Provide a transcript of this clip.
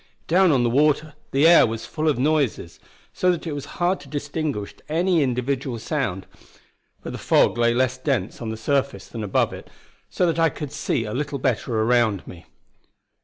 Down on the water the air was full of noises, so that it was hard to distinguish any individual sound; but the fog lay less dense on the surface than above it, so that I could see a little better around me.